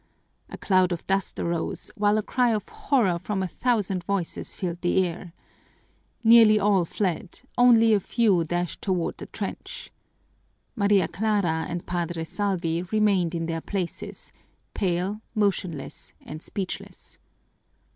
A cloud of dust arose, while a cry of horror from a thousand voices filled the air. Nearly all fled; only a few dashed toward the trench. Maria Clara and Padre Salvi remained in their places, pale, motionless, and speechless.